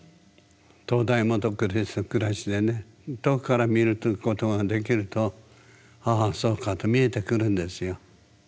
灯台もと暗しでね遠くから見るということができるとああそうかと見えてくるんですよ。